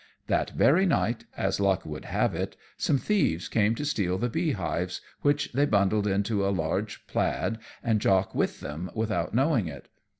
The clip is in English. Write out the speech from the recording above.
That very night, as luck would have it, some thieves came to steal the bee hives, which they bundled into a large plaid, and Jock with them without knowing it.